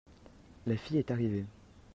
la fille est arrivée.